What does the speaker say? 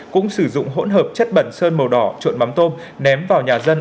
cũng sử dụng hỗn hợp chất bẩn sơn màu đỏ trộn mắm tôm ném vào nhà dân